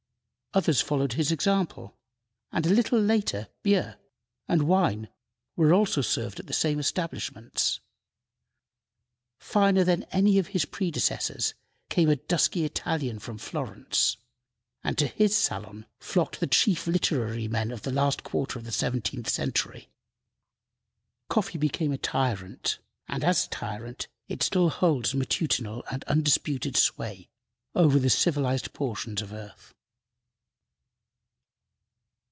Others followed his example, and a little later beer and wine were also served at the same establishments. Finer than any of his predecessors came a dusky Italian from Florence, and to his salon flocked the chief literary men of the last quarter of the seventeenth century. Coffee became a tyrant, and, as tyrant, it still holds matutinal and undisputed sway over the civilized portions of the earth.